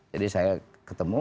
jadi saya ketemu